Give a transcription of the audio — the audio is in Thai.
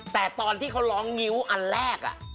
แต่ตอนที่เขาร้องงิ้วอันแรก